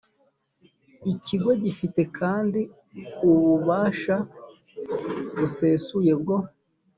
ikigo gifite kandi ububasha busesuye bwo